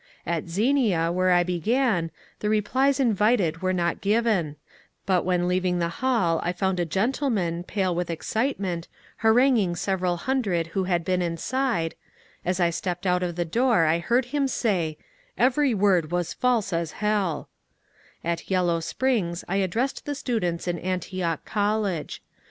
At Xenia, where I began, the replies invited were not given, but when leaving the hall I found a gentleman, pale with excitement, haranguing several hundred who had been inside ; as I stepped out of the door I heard him say, ^^ Every word was false as hell I " At Yellow Springs I addressed the students in Antioch College.